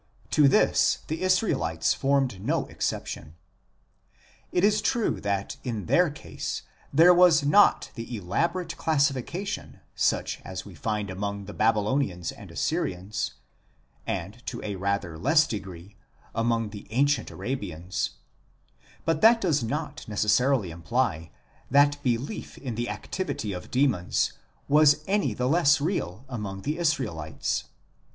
To this the Israelites formed no exception. It is true that in their case there was not the elaborate classifica tion such as we find among the Babylonians and Assyrians, and, to a rather less degree, among the ancient Arabians ; but that does not necessarily imply that belief in the activity of demons was any the less real among the Israelites.